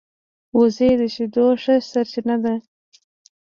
وزې د شیدو ښه سرچینه ده